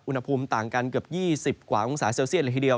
อุณหภูมิต่างกันเกือบ๒๐กว่าองศาเซลเซียตเลยทีเดียว